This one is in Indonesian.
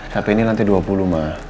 tapi ini lantai dua puluh mbak